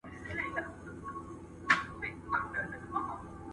په کتاب کي چي مي هره شپه لوستله